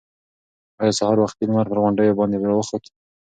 ایا سهار وختي لمر پر غونډیو باندې راوخوت؟